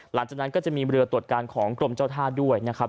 หลังจากนั้นก็จะมีเรือตรวจการของกรมเจ้าท่าด้วยนะครับ